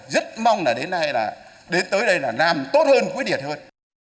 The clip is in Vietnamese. rất mong là đến nay là đến tới đây là làm tốt hơn quyết liệt hơn